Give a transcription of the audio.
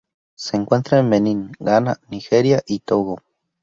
Se encuentra en Benín, Ghana, Nigeria y Togo.